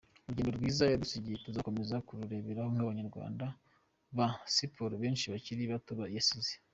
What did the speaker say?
Urugero rwiza yadusigiye tuzakomeza kurureberaho nk’abanyamakuru ba Siporo benshi bakiri bato yasize.